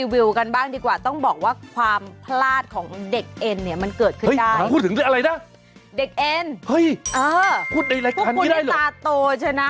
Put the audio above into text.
พวกคุณได้ตาโตใช่นะได้พูดได้เหรอ